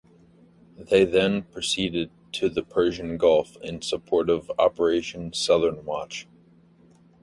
They then proceeded to the Persian Gulf in support of Operation Southern Watch.